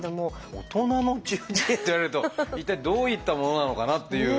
「大人の中耳炎」って言われると一体どういったものなのかなっていう。